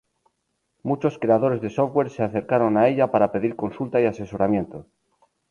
Muchos creadores de software se acercaron a ella para pedir consulta y asesoramiento.